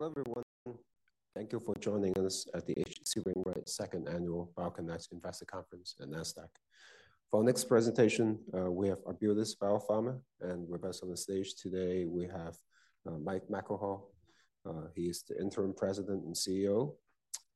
Hello, everyone. Thank you for joining us at the H.C. Wainwright Second Annual BioConnect Investor Conference at NASDAQ. For our next presentation, we have Arbutus Biopharma, and with us on the stage today, we have Mike McElhaugh. He's the Interim President and CEO,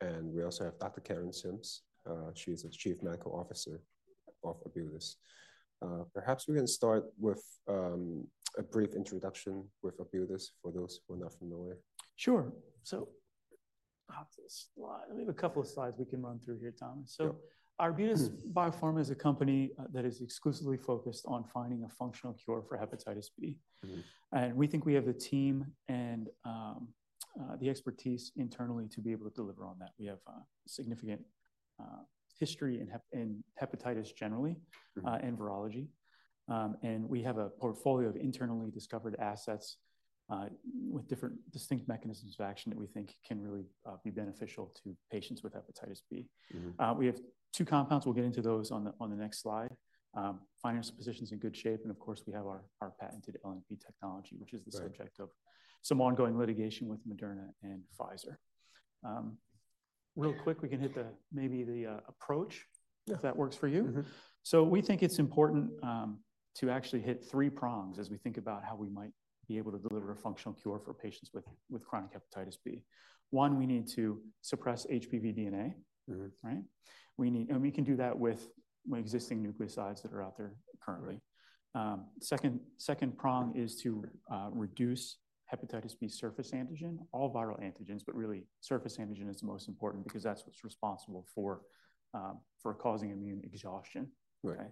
and we also have Dr. Karen Sims. She's the Chief Medical Officer of Arbutus. Perhaps we can start with a brief introduction with Arbutus for those who are not familiar. Sure. So I have this slide. We have a couple of slides we can run through here, Thomas. Yeah. Arbutus Biopharma is a company that is exclusively focused on finding a functional cure for hepatitis B. Mm-hmm. We think we have the team and the expertise internally to be able to deliver on that. We have significant history in hepatitis generally. Mm-hmm. and virology. We have a portfolio of internally discovered assets with different distinct mechanisms of action that we think can really be beneficial to patients with hepatitis B. Mm-hmm. We have two compounds. We'll get into those on the next slide. Financial position's in good shape, and of course, we have our patented LNP technology- Right which is the subject of some ongoing litigation with Moderna and Pfizer. Real quick, we can hit the approach- Yeah. - if that works for you. Mm-hmm. We think it's important, to actually hit three prongs as we think about how we might be able to deliver a functional cure for patients with chronic hepatitis B. One, we need to suppress HBV DNA. Mm-hmm. Right? We need and we can do that with existing nucleosides that are out there currently. Second prong is to reduce hepatitis B surface antigen, all viral antigens, but really surface antigen is the most important because that's what's responsible for causing immune exhaustion. Right. Okay?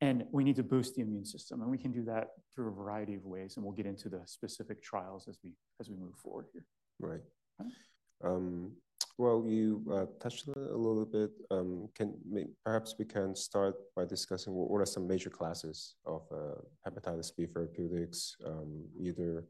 And we need to boost the immune system, and we can do that through a variety of ways, and we'll get into the specific trials as we, as we move forward here. Right. Well, you touched on it a little bit. Perhaps we can start by discussing what are some major classes of hepatitis B therapeutics, either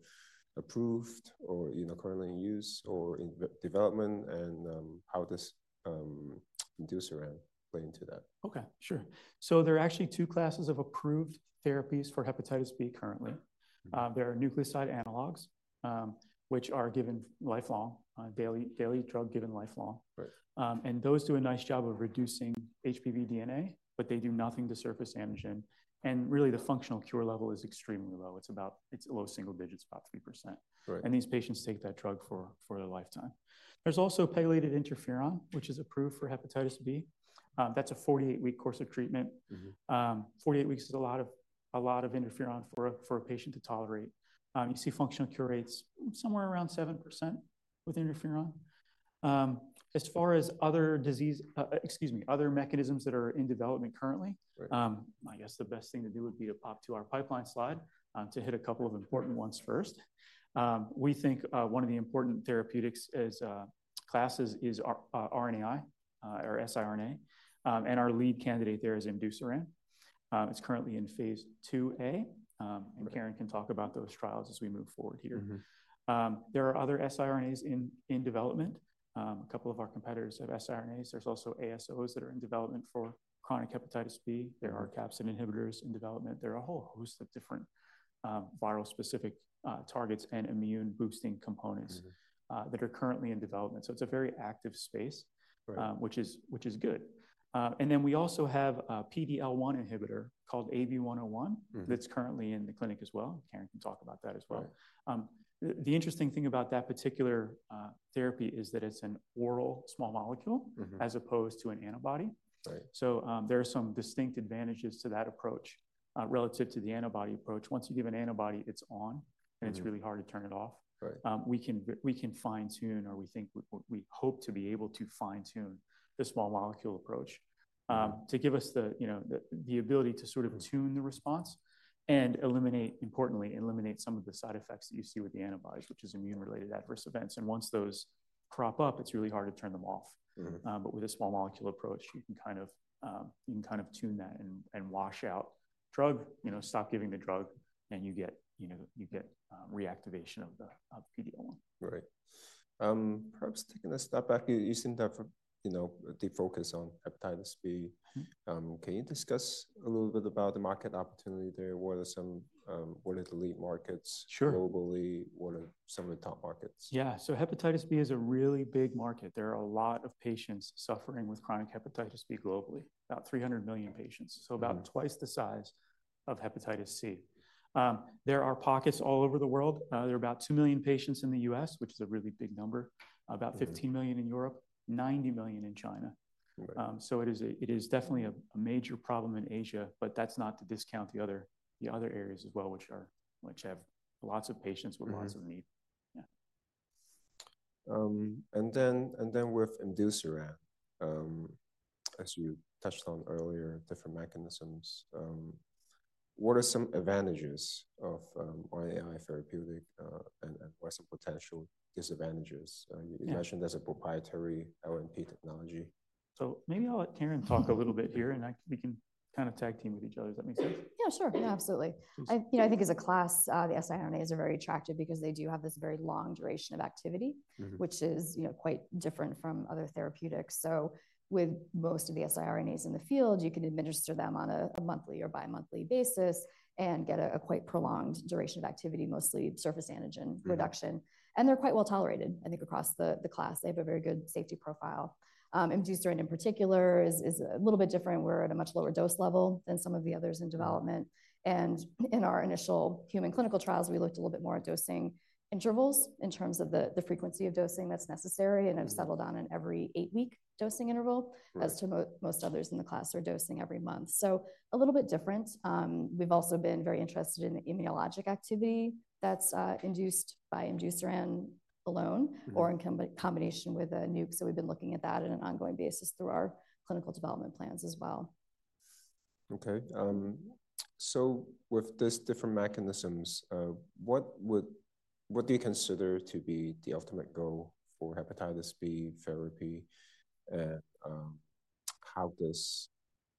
approved or, you know, currently in use or in development, and how does imdusiran play into that? Okay, sure. So there are actually two classes of approved therapies for hepatitis B currently. Right. Mm-hmm. There are nucleoside analogues, which are given lifelong, daily drug given lifelong. Right. And those do a nice job of reducing HBV DNA, but they do nothing to surface antigen, and really, the functional cure level is extremely low. It's about low single digits, about 3%. Right. These patients take that drug for their lifetime. There's also pegylated interferon, which is approved for hepatitis B. That's a 48-week course of treatment. Mm-hmm. 48 weeks is a lot of interferon for a patient to tolerate. You see functional cure rates somewhere around 7% with interferon. As far as other mechanisms that are in development currently- Right I guess the best thing to do would be to pop to our pipeline slide, to hit a couple of important ones first. We think one of the important therapeutics as classes is RNAi or siRNA, and our lead candidate there is imdusiran. It's currently in phase 2a. Right. Karen can talk about those trials as we move forward here. Mm-hmm. There are other siRNAs in development. A couple of our competitors have siRNAs. There's also ASOs that are in development for chronic hepatitis B. Mm-hmm. There are capsid inhibitors in development. There are a whole host of different, viral-specific, targets and immune-boosting components- Mm-hmm that are currently in development. So it's a very active space- Right which is, which is good. And then we also have a PD-L1 inhibitor called AB-101- Mm-hmm. - that's currently in the clinic as well. Karen can talk about that as well. Right. The interesting thing about that particular therapy is that it's an oral small molecule- Mm-hmm as opposed to an antibody. Right. There are some distinct advantages to that approach, relative to the antibody approach. Once you give an antibody, it's on- Mm-hmm and it's really hard to turn it off. Right. We can fine-tune, or we think, we hope to be able to fine-tune the small molecule approach, to give us the, you know, the, the ability to sort of tune the response and eliminate—importantly, eliminate some of the side effects that you see with the antibodies, which is immune-related adverse events. And once those crop up, it's really hard to turn them off. Mm-hmm. But with a small molecule approach, you can kind of, you can kind of tune that and wash out drug, you know, stop giving the drug, and you get, you know, you get reactivation of the PD-L1. Right. Perhaps taking a step back, you seem to have, you know, a deep focus on hepatitis B. Mm-hmm. Can you discuss a little bit about the market opportunity there? What are some, what are the lead markets- Sure globally? What are some of the top markets? Yeah. So hepatitis B is a really big market. There are a lot of patients suffering with chronic hepatitis B globally, about 300 million patients- Mm-hmm so about twice the size of hepatitis C. There are pockets all over the world. There are about 2 million patients in the U.S., which is a really big number- Mm-hmm about 15 million in Europe, 90 million in China. Right. So it is definitely a major problem in Asia, but that's not to discount the other areas as well, which have lots of patients. Mm-hmm with lots of need. Yeah. And then with imdusiran, as you touched on earlier, different mechanisms. What are some advantages of RNAi therapeutic, and what are some potential disadvantages? Yeah. You mentioned there's a proprietary LNP technology. So maybe I'll let Karen talk a little bit here, and we can kind of tag team with each other. Does that make sense? Yeah, sure. Yeah, absolutely. Please. I, you know, I think as a class, the siRNAs are very attractive because they do have this very long duration of activity- Mm-hmm. which is, you know, quite different from other therapeutics. So with most of the siRNAs in the field, you can administer them on a monthly or bimonthly basis and get a quite prolonged duration of activity, mostly surface antigen- Mm-hmm. -reduction. They're quite well tolerated, I think, across the class. They have a very good safety profile. Imdusiran in particular is a little bit different. We're at a much lower dose level than some of the others in development. Mm. In our initial human clinical trials, we looked a little bit more at dosing intervals in terms of the frequency of dosing that's necessary- Mm. and have settled on an every eight-week dosing interval. Right. As to most others in the class are dosing every month. So a little bit different. We've also been very interested in the immunologic activity that's induced by imdusiran alone- Mm. or in combination with a NUC. So we've been looking at that on an ongoing basis through our clinical development plans as well. Okay, so with these different mechanisms, what do you consider to be the ultimate goal for hepatitis B therapy? And, how does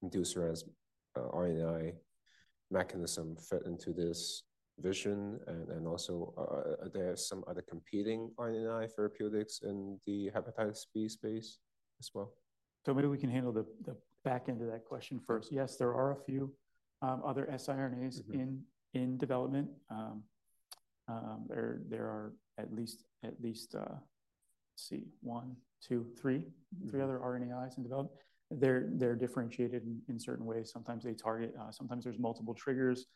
imdusiran's RNAi mechanism fit into this vision? And also, are there some other competing RNAi therapeutics in the hepatitis B space as well? So maybe we can handle the, the back end of that question first. Yes, there are a few, other siRNAs- Mm-hmm. in development. There are at least, let's see, one, two, three- Mm. -three other RNAis in development. They're differentiated in certain ways. Sometimes they target—sometimes there's multiple triggers.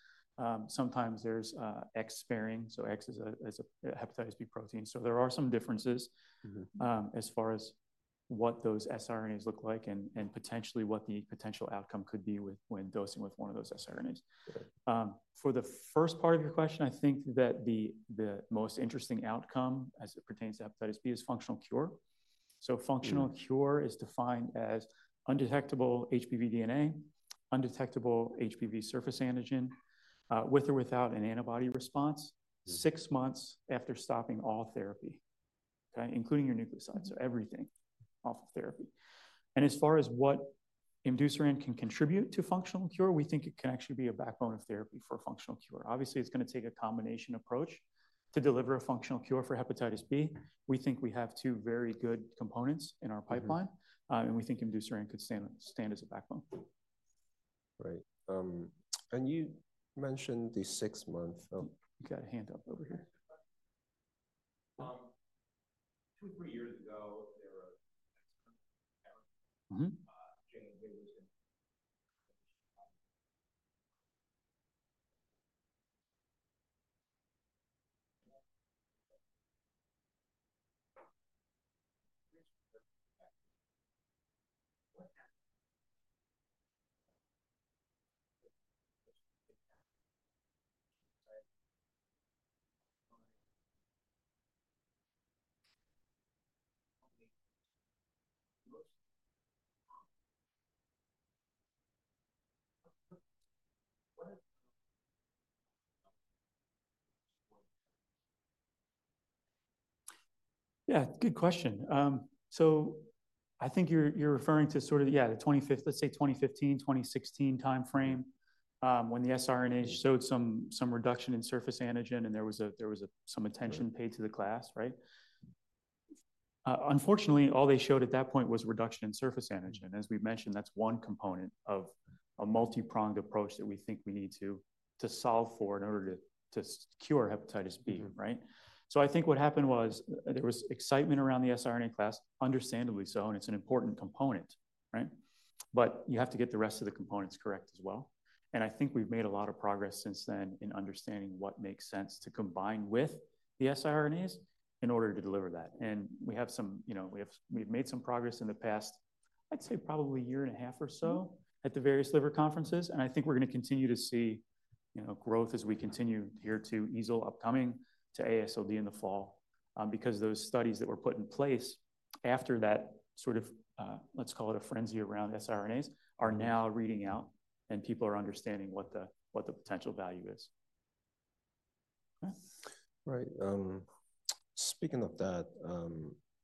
Sometimes there's X-sparing. So X is a hepatitis B protein. So there are some differences- Mm-hmm. as far as what those siRNAs look like and, and potentially what the potential outcome could be when dosing with one of those siRNAs. Good. For the first part of your question, I think that the most interesting outcome, as it pertains to hepatitis B, is functional cure. Mm. So functional cure is defined as undetectable HBV DNA, undetectable HBV surface antigen, with or without an antibody response- Mm six months after stopping all therapy, okay? Including your nucleoside, so everything off of therapy. And as far as what imdusiran can contribute to functional cure, we think it can actually be a backbone of therapy for a functional cure. Obviously, it's gonna take a combination approach to deliver a functional cure for hepatitis B. We think we have two very good components in our pipeline- Mm-hmm. and we think imdusiran could stand as a backbone. Right. And you mentioned the six-month, You got a hand up over here. 2-3 years ago, Mm-hmm. Jane Yeah, good question. So I think you're referring to sort of, yeah, the 2015—let's say 2015, 2016 timeframe. Mm. when the siRNA showed some reduction in surface antigen, and there was some attention- Right Paid to the class, right? Unfortunately, all they showed at that point was reduction in surface antigen. Mm. As we've mentioned, that's one component of a multi-pronged approach that we think we need to cure hepatitis B. Mm-hmm. Right? So I think what happened was there was excitement around the siRNA class, understandably so, and it's an important component, right? But you have to get the rest of the components correct as well, and I think we've made a lot of progress since then in understanding what makes sense to combine with the siRNAs in order to deliver that. And you know, we've made some progress in the past, I'd say, probably a year and a half or so- Mm At the various liver conferences, and I think we're gonna continue to see, you know, growth as we continue here to EASL upcoming, to AASLD in the fall. Because those studies that were put in place after that sort of, let's call it a frenzy around siRNAs, are now reading out, and people are understanding what the, what the potential value is. Okay. Right, speaking of that,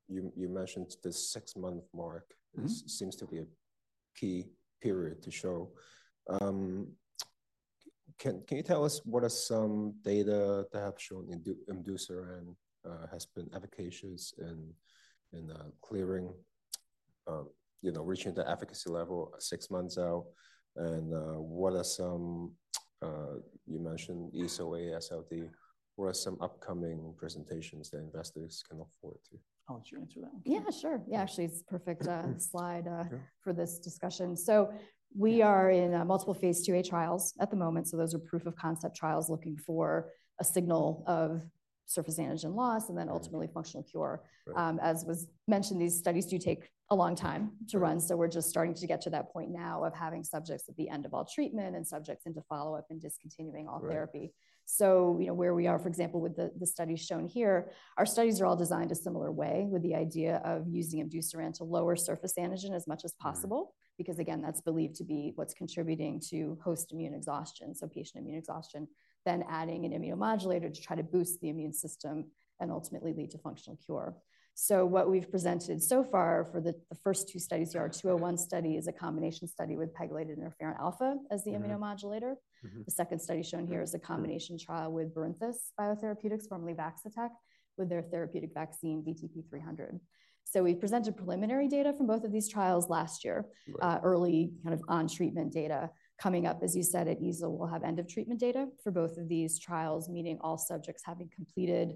you mentioned this six-month mark. Mm-hmm. It seems to be a key period to show. Can you tell us what are some data that have shown imdusiran has been efficacious in clearing, you know, reaching the efficacy level six months out? And you mentioned EASL, AASLD, what are some upcoming presentations that investors can look forward to? I'll let you answer that one. Yeah, sure. Yeah, actually, it's a perfect slide. Yeah for this discussion. So, we are in multiple Phase IIa trials at the moment, so those are proof-of-concept trials looking for a signal of surface antigen loss, and then ultimately functional cure. Right. As was mentioned, these studies do take a long time to run, so we're just starting to get to that point now of having subjects at the end of all treatment, and subjects into follow-up and discontinuing all therapy. Right. You know, where we are, for example, with the study shown here, our studies are all designed a similar way, with the idea of using imdusiran to lower surface antigen as much as possible. Mm. Because, again, that's believed to be what's contributing to host immune exhaustion, so patient immune exhaustion, then adding an immunomodulator to try to boost the immune system and ultimately lead to functional cure. So what we've presented so far for the first two studies here- Mm. Our 201 study is a combination study with pegylated interferon alpha as the immunomodulator. Mm-hmm, mm-hmm. The second study shown here is a combination trial with Barinthus Biotherapeutics, formerly Vaccitech, with their therapeutic vaccine, VTP-300. So we presented preliminary data from both of these trials last year. Right. Early kind of on treatment data coming up, as you said, at EASL, we'll have end-of-treatment data for both of these trials, meaning all subjects having completed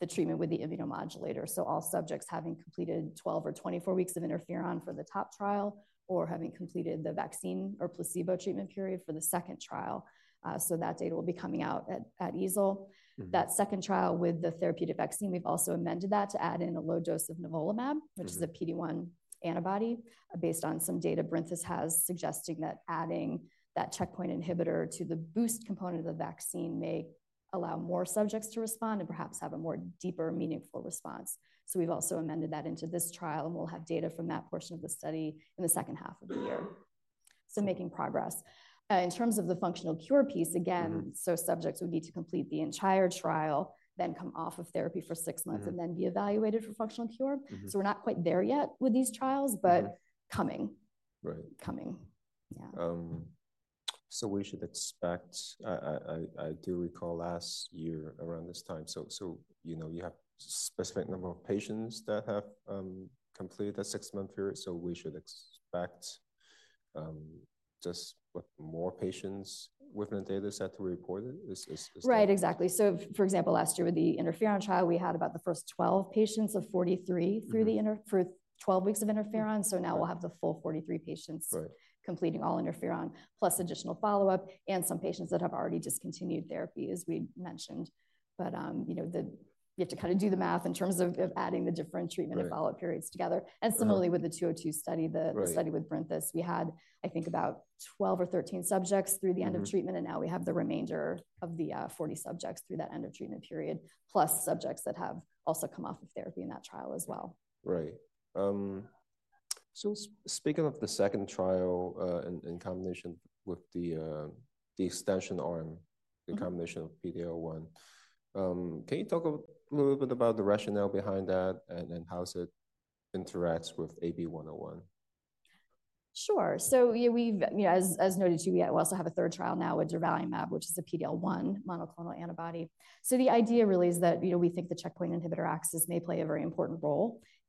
the treatment with the immunomodulator. So all subjects having completed 12 or 24 weeks of interferon for the top trial, or having completed the vaccine or placebo treatment period for the second trial. So that data will be coming out at EASL. Mm-hmm. That second trial with the therapeutic vaccine, we've also amended that to add in a low dose of nivolumab. Mm. - which is a PD-1 antibody, based on some data Barinthus has, suggesting that adding that checkpoint inhibitor to the boost component of the vaccine may allow more subjects to respond and perhaps have a more deeper, meaningful response. So we've also amended that into this trial, and we'll have data from that portion of the study in the second half of the year. So making progress. In terms of the functional cure piece, again- Mm. So subjects would need to complete the entire trial, then come off of therapy for six months. Mm. and then be evaluated for functional cure. Mm-hmm. We're not quite there yet with these trials. Mm. - but coming. Right. Coming. Yeah. So we should expect. I do recall last year around this time, so, you know, you have specific number of patients that have completed a six-month period, so we should expect just with more patients within a data set to report it? Right, exactly. So for example, last year with the interferon trial, we had about the first 12 patients of 43- Mm-hmm. through the interferon for 12 weeks of interferon, so now we'll have the full 43 patients. Right Completing all interferon, plus additional follow-up, and some patients that have already discontinued therapy, as we mentioned. But, you know, you have to kind of do the math in terms of, of adding the different treatment- Right - and follow-up periods together. Right. Similarly, with the 202 study. Right The study with Barinthus, we had, I think, about 12 or 13 subjects through the end- Mm of treatment, and now we have the remainder of the 40 subjects through that end of treatment period, plus subjects that have also come off of therapy in that trial as well. Right. So speaking of the second trial, in combination with the extension arm- Mm the combination of PD-L1, can you talk a little bit about the rationale behind that, and then how it interacts with AB-101? Sure. So yeah, we've, you know, as, as noted, too, we, we also have a third trial now with durvalumab, which is a PD-L1 monoclonal antibody. So the idea really is that, you know, we think the checkpoint inhibitor axis may play a very important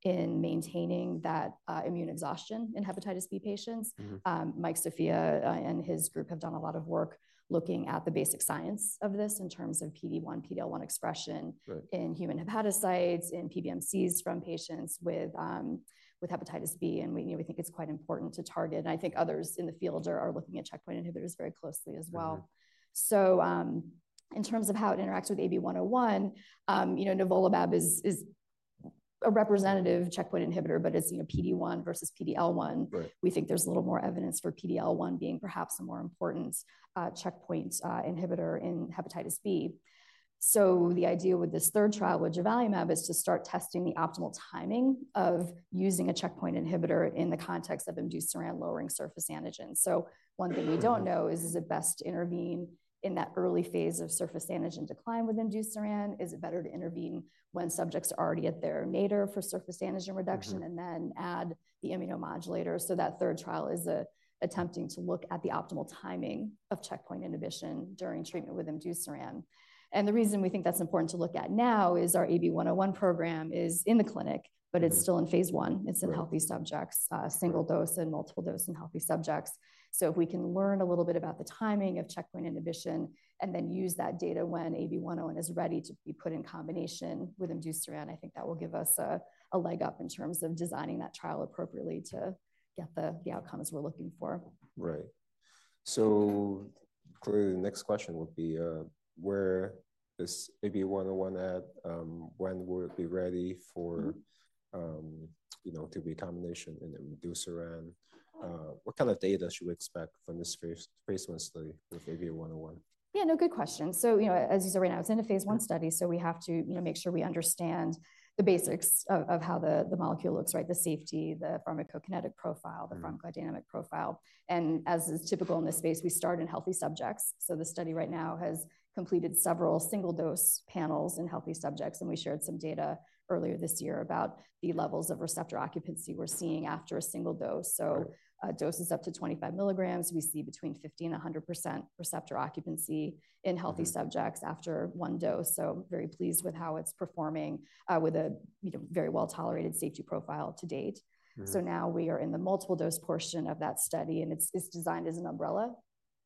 role in maintaining that, immune exhaustion in hepatitis B patients. Mm-hmm. Mike Sofia and his group have done a lot of work looking at the basic science of this in terms of PD-1, PD-L1 expression- Right in human hepatocytes, in PBMCs from patients with hepatitis B, and we think it's quite important to target. I think others in the field are looking at checkpoint inhibitors very closely as well. Mm-hmm. In terms of how it interacts with AB-101, you know, nivolumab is a representative checkpoint inhibitor, but it's, you know, PD-1 versus PD-L1. Right. We think there's a little more evidence for PD-L1 being perhaps a more important checkpoint inhibitor in hepatitis B. So the idea with this third trial with durvalumab is to start testing the optimal timing of using a checkpoint inhibitor in the context of imdusiran lowering surface antigen. So one thing- Mm we don't know is, is it best to intervene in that early phase of surface antigen decline with imdusiran? Is it better to intervene when subjects are already at their nadir for surface antigen reduction- Mm-hmm and then add the immunomodulator? So that third trial is attempting to look at the optimal timing of checkpoint inhibition during treatment with imdusiran. And the reason we think that's important to look at now is our AB-101 program is in the clinic- Mm but it's still in phase 1. Right. It's in healthy subjects, Right single dose and multiple dose in healthy subjects. So if we can learn a little bit about the timing of checkpoint inhibition and then use that data when AB-101 is ready to be put in combination with imdusiran, I think that will give us a leg up in terms of designing that trial appropriately to get the outcomes we're looking for. Right. So clearly, the next question would be, where is AB-101 at? When will it be ready for- Mm you know, to be in combination with imdusiran? What kind of data should we expect from this phase 1 study with AB-101? Yeah, no, good question. So, you know, as you said right now, it's in a phase 1 study, so we have to, you know, make sure we understand the basics of how the molecule looks, right? The safety, the pharmacokinetic profile- Mm the pharmacodynamic profile. As is typical in this space, we start in healthy subjects. The study right now has completed several single-dose panels in healthy subjects, and we shared some data earlier this year about the levels of receptor occupancy we're seeing after a single dose. Right. Doses up to 25 milligrams, we see between 50% and 100% receptor occupancy in healthy- Mm subjects after one dose. So very pleased with how it's performing, with a, you know, very well-tolerated safety profile to date. Mm. So now we are in the multiple-dose portion of that study, and it's designed as an umbrella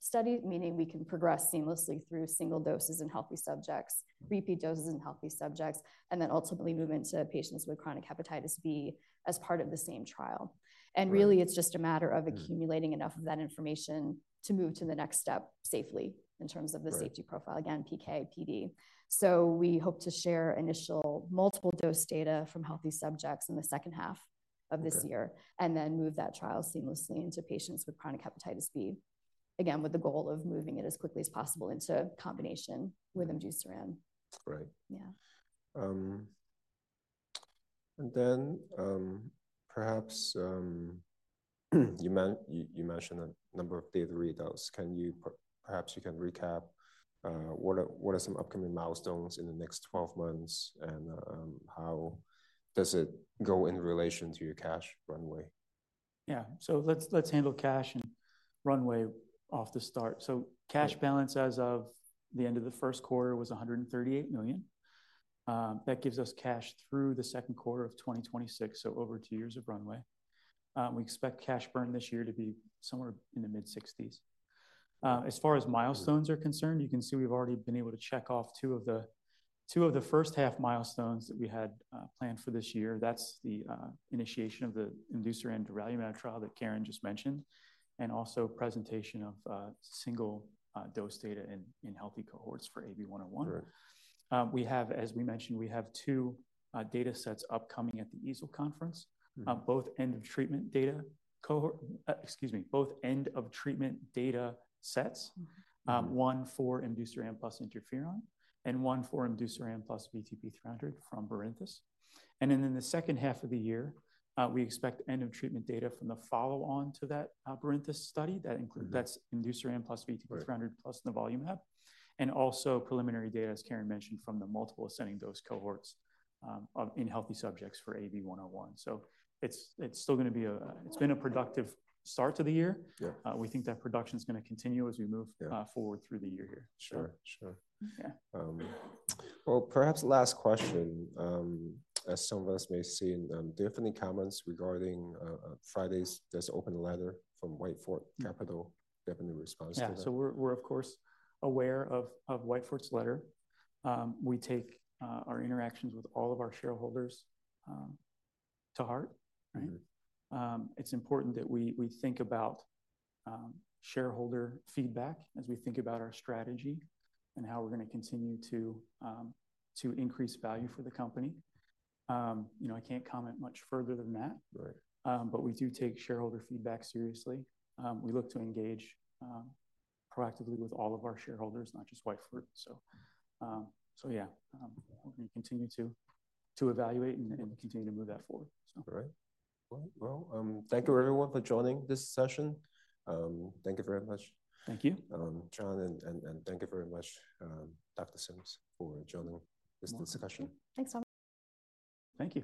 study, meaning we can progress seamlessly through single doses in healthy subjects, repeat doses in healthy subjects, and then ultimately move into patients with chronic hepatitis B as part of the same trial. Right. Really, it's just a matter of accumulating- Mm. enough of that information to move to the next step safely in terms of the- Right safety profile, again, PK/PD. So we hope to share initial multiple dose data from healthy subjects in the second half of this year. Okay. And then move that trial seamlessly into patients with chronic hepatitis B, again, with the goal of moving it as quickly as possible into combination with imdusiran. Right. Yeah. And then, perhaps, you mentioned a number of data readouts. Can you perhaps recap what are some upcoming milestones in the next 12 months, and how does it go in relation to your cash runway? Yeah. So let's handle cash and runway off the start. Right. So cash balance as of the end of the first quarter was $138 million. That gives us cash through the second quarter of 2026, so over two years of runway. We expect cash burn this year to be somewhere in the mid-$60s million. As far as milestones are concerned, you can see we've already been able to check off two of the, two of the first half milestones that we had planned for this year. That's the initiation of the imdusiran durvalumab trial that Karen just mentioned, and also presentation of single dose data in healthy cohorts for AB-101. Right. We have, as we mentioned, we have two data sets upcoming at the EASL conference. Mm. both end-of-treatment data cohort, excuse me, both end-of-treatment data sets- Mm. one for imdusiran plus interferon, and one for imdusiran plus VTP-300 from Barinthus. And then in the second half of the year, we expect end-of-treatment data from the follow-on to that, Barinthus study. Mm-hmm. That's imdusiran plus VTP-300- Right plus the nivolumab, and also preliminary data, as Karen mentioned, from the multiple ascending dose cohorts of AB-101 in healthy subjects. So it's still gonna be a productive start to the year. Yeah. We think that production's gonna continue as we move- Yeah - forward through the year here. Sure, sure. Yeah. Well, perhaps last question: as some of us may have seen, do you have any comments regarding Friday's this open letter from Whitefort Capital? Yeah. Do you have any response to that? Yeah. So we're, of course, aware of Whitefort's letter. We take our interactions with all of our shareholders to heart, right? Mm-hmm. It's important that we think about shareholder feedback as we think about our strategy and how we're gonna continue to increase value for the company. You know, I can't comment much further than that. Right. But we do take shareholder feedback seriously. We look to engage proactively with all of our shareholders, not just Whitefort. So yeah, we're gonna continue to evaluate and continue to move that forward, so. Great. Well, well, thank you, everyone, for joining this session. Thank you very much- Thank you John, thank you very much, Dr. Sims, for joining this discussion. You're welcome. Thanks all. Thank you.